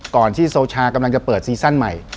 ที่โซชากำลังจะเปิดซีซั่นใหม่